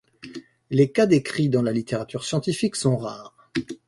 Les cas décrits dans la littérature scientifique sont rares.